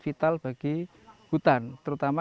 brutal bagi hutan terutama